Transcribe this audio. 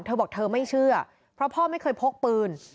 เธอบอกเธอไม่เชื่อเพราะพ่อไม่เคยพกปืน